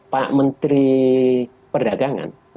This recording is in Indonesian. pak menteri perdagangan